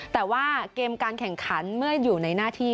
แต่ว่าเกมการแข่งขันเมื่ออยู่ในหน้าที่